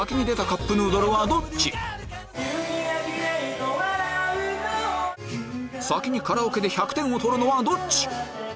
雪が綺麗と笑うのは先にカラオケで１００点を取るのはどっち？